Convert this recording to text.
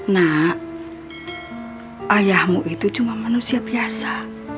nak ayahmu itu cuma manusia biasa